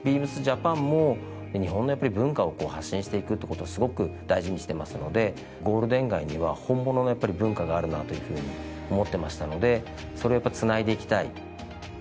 ＢＥＡＭＳＪＡＰＡＮも日本の文化を発信していくって事をすごく大事にしてますのでゴールデン街には本物の文化があるなというふうに思ってましたのでそれをやっぱ繋いでいきたい。